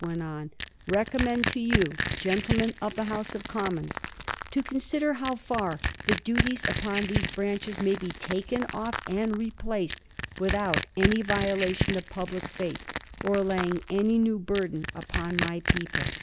went on, ^ recommend it to you, gentl^nen of the House of Commons, to consider how far the duties upon these branches may be taken off and replaced, without any violation of public faith or lajring any new burden upon my people.